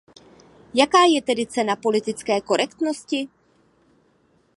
Jaká je tedy cena politické korektnosti?